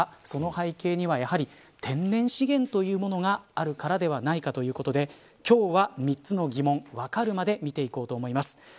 その背景には、やはり天然資源というものがあるからではないかということで今日は３つの疑問わかるまで見ていこうと思います。